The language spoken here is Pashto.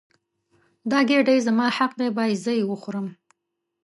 دا ګیډۍ زما حق دی باید زه یې وخورم.